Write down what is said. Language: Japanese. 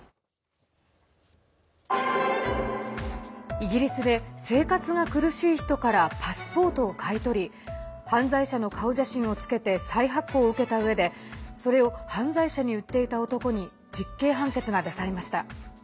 イギリスで生活が苦しい人からパスポートを買い取り犯罪者の顔写真をつけて再発行を受けたうえでそれを犯罪者に売っていた男に実刑判決が出されました。